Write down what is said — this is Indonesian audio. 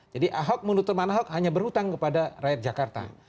jadi ahok menurut teman ahok hanya berhutang kepada rakyat jakarta